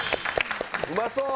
うまそう！